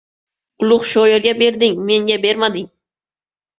— Ulug‘ shoirga berding, menga bermading!"